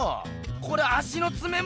これ足のつめも？